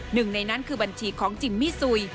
หนึ่งในนั้นคือบัญชีของจิมมี่ซุย